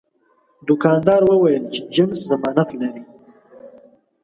دوکاندار وویل چې جنس ضمانت لري.